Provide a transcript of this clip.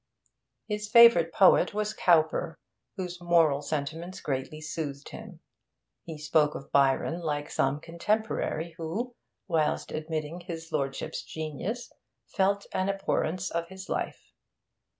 His favourite poet was Cowper, whose moral sentiments greatly soothed him. He spoke of Byron like some contemporary who, whilst admitting his lordship's genius, felt an abhorrence of his life.